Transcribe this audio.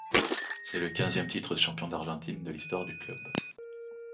C'est le quinzième titre de champion d'Argentine de l'histoire du club.